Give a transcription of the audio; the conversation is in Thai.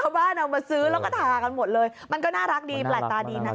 ชาวบ้านเอามาซื้อแล้วก็ทากันหมดเลยมันก็น่ารักดีหลายตาดีนะฮะ